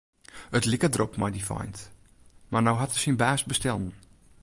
It like derop mei dy feint, mar no hat er syn baas bestellen.